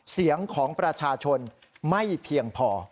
เสียงของประชาชนไม่เพียงพอ